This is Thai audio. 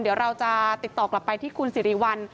เดี๋ยวเราจะติดต่อกลับไปที่คุณสิริวัล